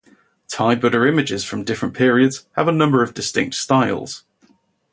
Thai Buddha images from different periods have a number of distinctive styles.